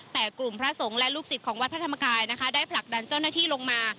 แต่กลุ่มพระสงฆ์และลูกศิษย์ของวัดพระธรรมกายนะคะได้ผลักดันเจ้าหน้าที่ลงมา